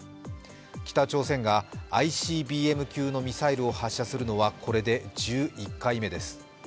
北朝鮮がＩＣＢＭ級のミサイルを発射するのはこれで１１回目です。